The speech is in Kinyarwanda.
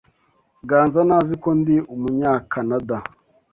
Ganza ntazi ko ndi Umunyakanada.